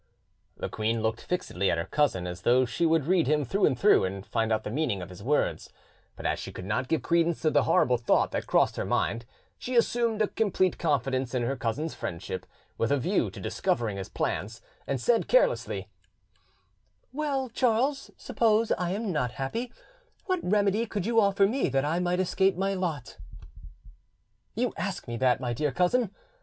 The queen looked fixedly at her cousin, as though she would read him through and through and find out the meaning of his words; but as she could not give credence to the horrible thought that crossed her mind, she assumed a complete confidence in her cousin's friendship, with a view to discovering his plans, and said carelessly— "Well, Charles, suppose I am not happy, what remedy could you offer me that I might escape my lot?" "You ask me that, my dear cousin?